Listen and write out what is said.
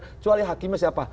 kecuali hakimnya siapa